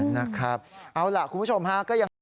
นะครับเอาล่ะคุณผู้ชมฮะก็ยังไง